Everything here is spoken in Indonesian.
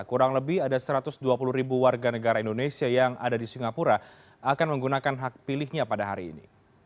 kurang lebih ada satu ratus dua puluh ribu warga negara indonesia yang ada di singapura akan menggunakan hak pilihnya pada hari ini